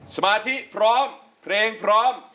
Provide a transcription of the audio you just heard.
สมาธิพร้อมเพลงพร้อม